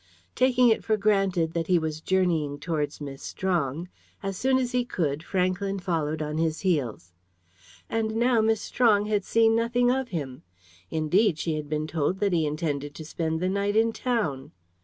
Taking it for granted that he was journeying towards Miss Strong, as soon as he could, Franklyn followed on his heels. And now Miss Strong had seen nothing of him! Indeed, she had been told that he intended to spend the night in town.